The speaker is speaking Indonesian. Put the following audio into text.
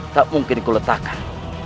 tak mungkin kuletakkan